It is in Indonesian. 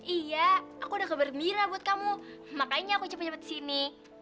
iya aku udah kegembira buat kamu makanya aku cepet cepet kesini